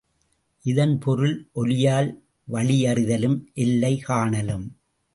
இதன் பொருள் ஒலியால் வழியறிதலும் எல்லை காணலும்.